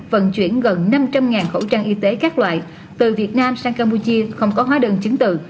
vận chuyển gần năm trăm linh khẩu trang y tế các loại từ việt nam sang campuchia không có hóa đơn chứng từ